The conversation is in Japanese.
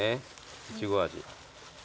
いちご味。